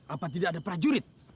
apa tidak ada prajurit